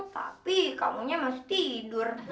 tapi kamu masih tidur